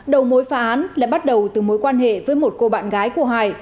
đầu mối phá án lại bắt đầu từ mối quan hệ với một cô bạn gái của hải